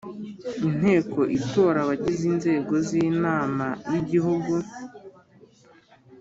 Inteko itora abagize inzego z inama y igihugu